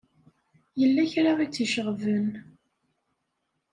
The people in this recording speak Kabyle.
Yella kra i tt-iceɣben.